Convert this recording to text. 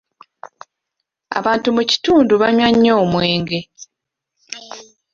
Abantu mu kitundu banywa nnyo omwenge.